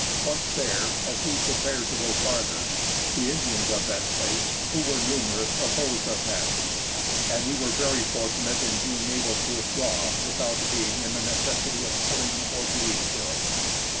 Once there, as we prepared to go farther, the Indians of that place, who were numerous, opposed our passage, and we were very fortunate in being able to withdraw without being in the necessity of killing or being killed.